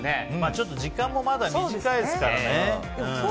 ちょっと時間もまだ短いですからね。